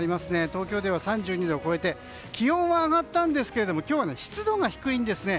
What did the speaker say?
東京では３２度を超えて気温は上がったんですが今日は湿度が低いんですね。